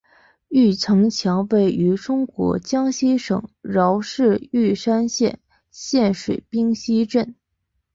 玉山城墙位于中国江西省上饶市玉山县县城冰溪镇。